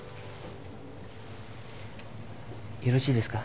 よろしいですか？